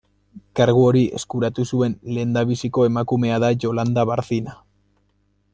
Kargu hori eskuratu zuen lehendabiziko emakumea da Yolanda Barcina.